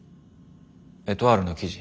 エトワールの記事？